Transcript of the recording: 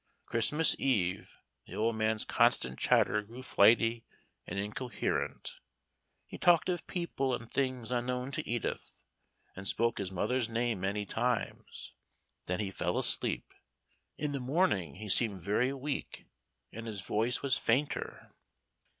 Christmas Eve, the old man's constant chatter grew flighty and incoherent. He talked of people and things unknown to Edith, and spoke his mother's name many times. Then he fell asleep. In the morning he seemed very weak, and his voice was fainter.